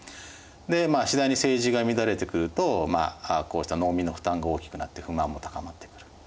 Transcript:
で次第に政治が乱れてくるとこうした農民の負担が大きくなって不満も高まってくる。